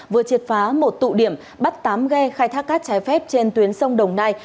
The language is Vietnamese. vừa triệt phá một tụ điểm bắt tám ghe khai thác cát trái phép trên tuyến sông đồng nai